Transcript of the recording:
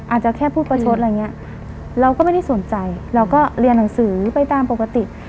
อาจจะแค่พูดประชดอะไรอย่างเงี้ยเราก็ไม่ได้สนใจเราก็เรียนหนังสือไปตามปกติ